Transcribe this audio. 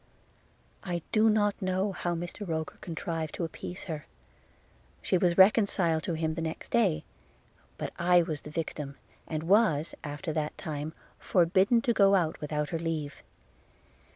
I do not know how Mr Roker contrived to appease her – she was reconciled to him the next day; but I was the victim, and was, after that time, forbidden to go out without her leave.